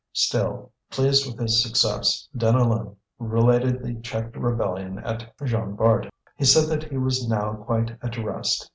Still pleased with his success, Deneulin related the checked rebellion at Jean Bart. He said that he was now quite at rest.